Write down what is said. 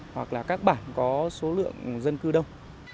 hoặc là các bản có số lượng dân cư đông